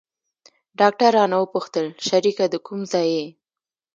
ډاکتر رانه وپوښتل شريکه د کوم ځاى يې.